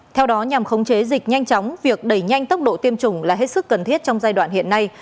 theo đó nhằm khống chế dịch nhanh chóng việc đẩy nhanh tốc độ tiêm chủng là hết sức cần thiết trong giai đoạn hiện nay